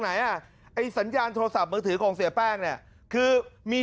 ไหนอ่ะไอ้สัญญาณโทรศัพท์มือถือของเสียแป้งเนี่ยคือมี